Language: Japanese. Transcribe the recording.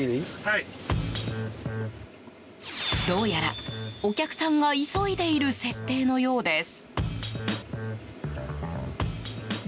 どうやら、お客さんが急いでいる設定のようです。